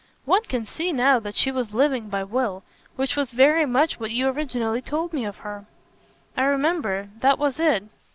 "One can see now that she was living by will which was very much what you originally told me of her." "I remember. That was it."